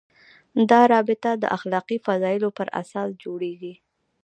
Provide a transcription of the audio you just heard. دا رابطه د اخلاقي فضایلو پر اساس جوړېږي.